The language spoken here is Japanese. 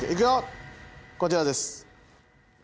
こちらです。